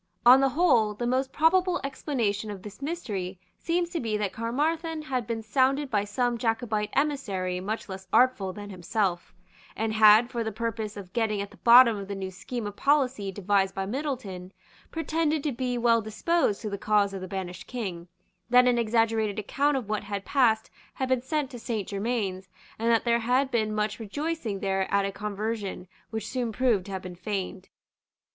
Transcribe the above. On the whole, the most probable explanation of this mystery seems to be that Caermarthen had been sounded by some Jacobite emissary much less artful than himself, and had, for the purpose of getting at the bottom of the new scheme of policy devised by Middleton, pretended to be well disposed to the cause of the banished King, that an exaggerated account of what had passed had been sent to Saint Germains, and that there had been much rejoicing there at a conversion which soon proved to have been feigned.